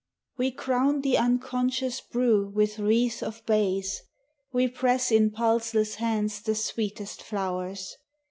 We crown the unconscious brew with wreath of bays We press in pulseless hands the sweetest flowers.